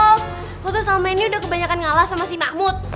aku tuh selama ini udah kebanyakan ngalah sama si mahmud